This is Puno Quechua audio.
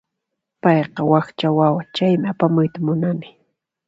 Payqa wakcha wawa, chaymi apamuyta munani.